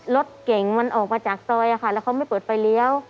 รถเก่งมันออกมาจากซอยค่ะแล้วเขาไม่เปิดไฟเลี้ยว